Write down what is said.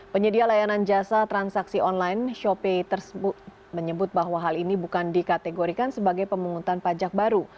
penyedia layanan jasa transaksi online shopee menyebut bahwa hal ini bukan dikategorikan sebagai pemungutan pajak baru